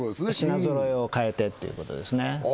品ぞろえを変えてっていうことですね